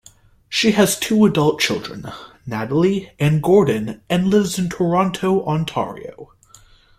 She has two adult children, Natalie and Gordon and lives in Toronto, Ontario.